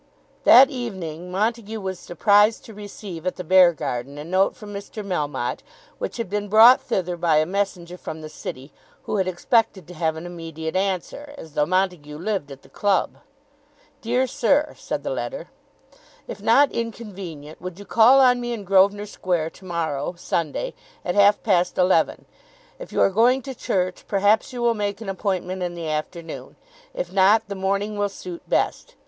That evening Montague was surprised to receive at the Beargarden a note from Mr. Melmotte, which had been brought thither by a messenger from the city, who had expected to have an immediate answer, as though Montague lived at the club. "Dear Sir," said the letter, If not inconvenient would you call on me in Grosvenor Square to morrow, Sunday, at half past eleven. If you are going to church, perhaps you will make an appointment in the afternoon; if not, the morning will suit best.